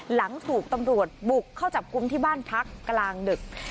หลังถูกตำรวจบุกเข้าจับกลุ่มที่บ้านพักกลางดึก